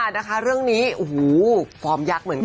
นะคะเรื่องนี้โอ้โหฟอร์มยักษ์เหมือนกัน